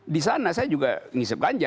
disana saya juga mengisap ganja